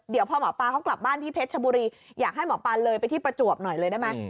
เดี๋ยวพอหมอปลาเขากลับบ้านที่เพชรชบุรีอยากให้หมอปลาเลยไปที่ประจวบหน่อยเลยได้ไหม